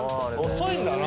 遅いんだな。